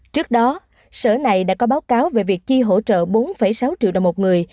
trước đó sở này đã có báo cáo về việc chi hỗ trợ bốn sáu triệu đồng một người